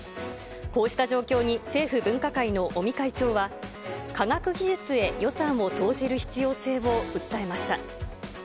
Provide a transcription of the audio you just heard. こうした状況に政府分科会の尾身会長は、科学技術へ予算を投じる必要性を訴えました。